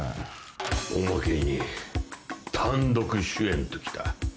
おまけに単独主演ときた。